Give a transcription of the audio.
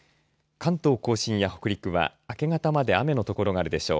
関東甲信や北陸は明け方まで雨の所があるでしょう。